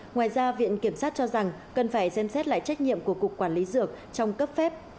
ngoài ra viện kiểm sát cho rằng cần phải xem xét lại trách nhiệm của cục quản lý dược trong cấp phép